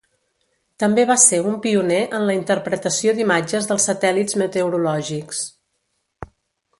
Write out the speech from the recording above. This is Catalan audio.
També va ser un pioner en la interpretació d'imatges dels satèl·lits meteorològics.